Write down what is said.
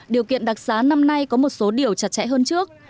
điều kiện đặc xá năm nay có một số điều chặt chẽ hơn trước